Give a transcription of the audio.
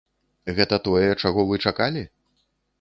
Гэта тое, чаго вы чакалі?